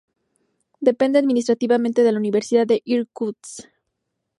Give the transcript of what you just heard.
Depende administrativamente de la Universidad de Irkutsk.